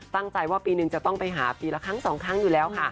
ตั้งใจว่าปีนึงจะต้องไปหาปีละครั้งสองครั้งอยู่แล้วค่ะ